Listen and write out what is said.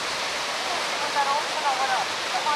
خاطرې مو د ژوند د کیسې برخه ده.